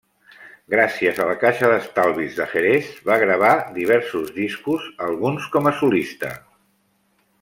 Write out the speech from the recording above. Gràcies a la Caixa d'Estalvis de Jerez va gravar diversos discos, alguns com a solista.